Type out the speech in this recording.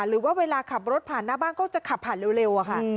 หรือว่าเวลาขับรถผ่านหน้าบ้านก็จะขับผ่านเร็วอะค่ะ